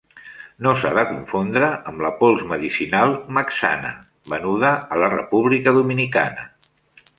No s'ha de confondre amb la pols medicinal "Mexana", venuda a la República Dominicana.